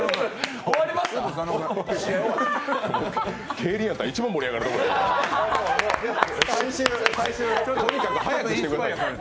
競輪やったら一番盛り上がるところやで。